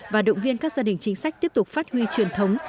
và động viên các gia đình chính sách tiếp tục phát huy truyền thống